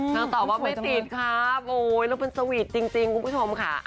ตอบว่าไม่ติดครับโอ้ยแล้วมันสวีทจริงคุณผู้ชมค่ะ